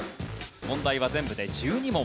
問題は全部で１２問。